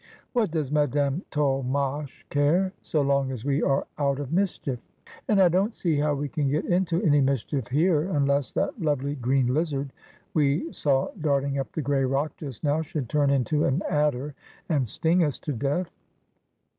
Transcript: What does Madame Tolmache care, so long as we are out of mischief ? And I don't see how we can get into any mischief here, unless that lovely green lizard we saw darting up the gray rock just now should turn into an adder and sting us to death.'